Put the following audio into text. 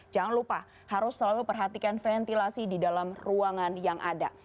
jangan lupa harus selalu perhatikan ventilasi di dalam ruangan yang ada